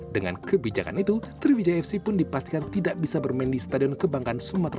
dengan kebijakan itu sriwijaya fc pun dipastikan tidak bisa bermain di stadion kebanggaan sumatera